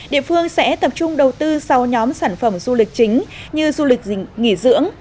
địa phương sẽ tập trung đầu tư sau nhóm sản phẩm du lịch chính như du lịch nghỉ dưỡng